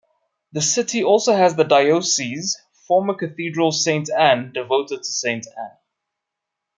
The city also has the diocese's former cathedral Sainte Anne, devoted to Saint Anna.